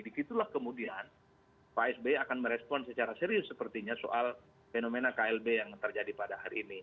di situlah kemudian pak sby akan merespon secara serius sepertinya soal fenomena klb yang terjadi pada hari ini